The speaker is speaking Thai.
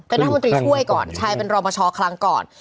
เป็นรัฐมนตรีช่วยก่อนใช่เป็นรอปชครั้งก่อน